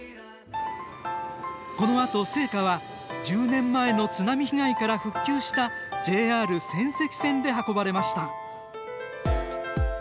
このあと、聖火は１０年前の津波被害から復旧したＪＲ仙石線で運ばれました。